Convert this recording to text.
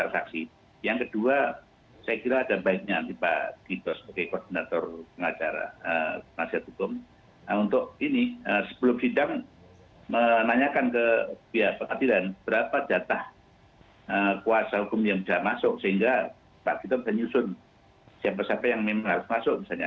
saksi yang memang harus masuk misalnya